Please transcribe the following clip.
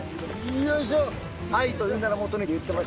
よいしょ。